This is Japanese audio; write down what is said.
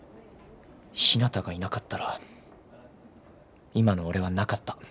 ひなたがいなかったら今の俺はなかった。